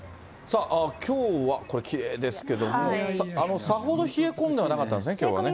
きょうはこれ、きれいですけども、さほど冷え込んではなかったんですね、きょうはね。